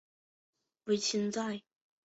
凌云阁塔的历史年代为清代。